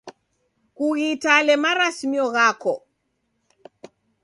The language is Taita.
Kughitale marasimio ghako.